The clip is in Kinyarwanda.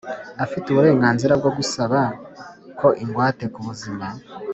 afite uburenganzira bwo gusaba ko ingwate kubuzima